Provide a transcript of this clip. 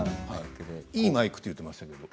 いいマイクと言ってましたね。